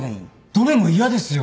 どれも嫌ですよ。